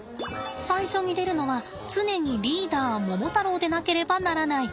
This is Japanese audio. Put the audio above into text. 最初に出るのは常にリーダーモモタロウでなければならない。